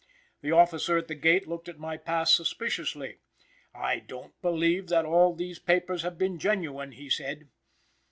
The officer at the gate looked at my pass suspiciously. "I don't believe that all these papers have been genuine," he said.